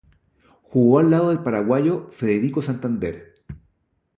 Jugó al lado del paraguayo Federico Santander.